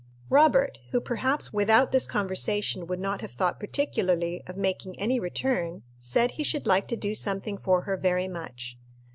Robert, who, perhaps, without this conversation would not have thought particularly of making any return, said he should like to do something for her very much.